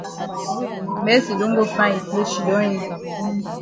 Mercy don go find yi place shidon yi.